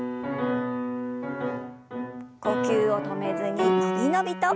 呼吸を止めずに伸び伸びと。